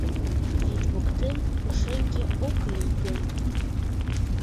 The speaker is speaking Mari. Вӱд воктен пушеҥге ок лий гын